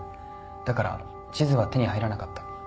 だから地図は手に入らなかった。